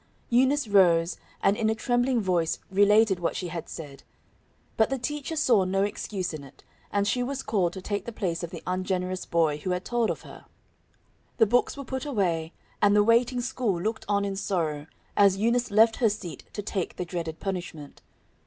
Eunice rose, and in a trembling voice related what she had said; but the teacher saw no excuse in it, and she was called to take the place of the ungenerous boy who had told of her. The books were put away, and the waiting school looked on in sorrow as Eunice left her seat to take the dreaded punishment.